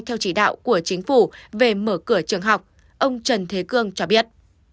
theo chỉ đạo của chính phủ về mở cửa trường học ông trần thế cương cho biết